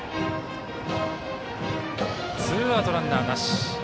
ツーアウト、ランナーなし。